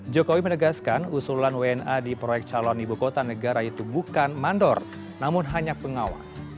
jokowi menegaskan usulan wna di proyek calon ibu kota negara itu bukan mandor namun hanya pengawas